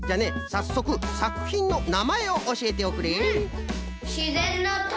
さっそくさくひんのなまえをおしえておくれ。